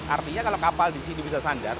artinya kalau kapal di sini bisa sandar